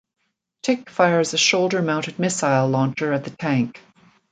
Tick fires a shoulder-mounted missile launcher at the tank.